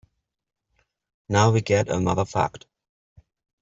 Now we get another fact.